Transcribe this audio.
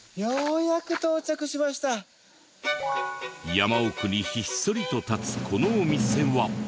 山奥にひっそりと立つこのお店は。